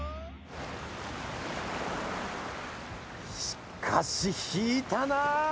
しかし引いたな。